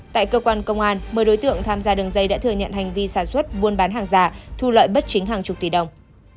tại cơ quan công an một mươi đối tượng tham gia đường dây đã thừa nhận hành vi sản xuất buôn bán hàng giả thu lợi bất chính hàng chục tỷ đồng